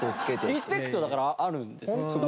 リスペクトだからあるんですよ。